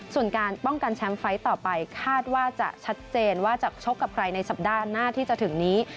ส่วนการป้องกันแชมป์ไฟล์ต่อไปคาดว่าจะชัดเจนว่าจะชกกับใครในสัปดาห์หน้าที่จะถึงนี้